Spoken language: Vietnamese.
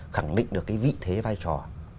khẳng định được cái vị thế vai trò